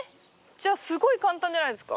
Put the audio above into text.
じゃあすごい簡単じゃないですか。